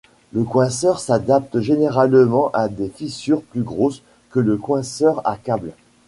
Ce coinceur s'adapte généralement à des fissures plus grosses que le coinceur à câble.